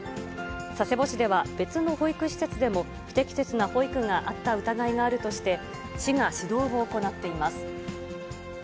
佐世保市では別の保育施設でも、不適切な保育があった疑いがあるとして、市が指導を行っています。